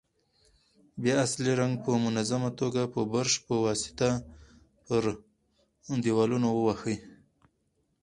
بیا اصلي رنګ په منظمه توګه د برش په واسطه پر دېوالونو ووهئ.